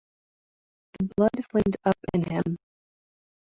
The blood flamed up in him.